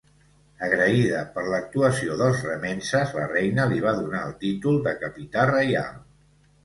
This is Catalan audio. Agraïda per l'actuació dels remences, la reina li va donar el títol de Capità Reial.